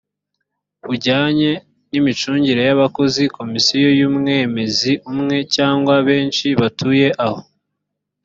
bujyanye n imicungire y abakozi komisiyo yumwemezi umwe cyangwa benshi batuye aho